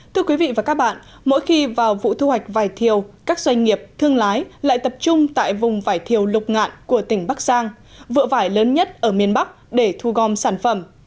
thưa quý vị và các bạn mỗi khi vào vụ thu hoạch vải thiều các doanh nghiệp thương lái lại tập trung tại vùng vải thiều lục ngạn của tỉnh bắc giang vựa vải lớn nhất ở miền bắc để thu gom sản phẩm